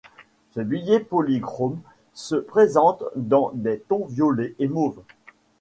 Ce billet polychrome se présente dans des tons violet et mauve.